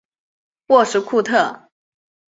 沃什库特。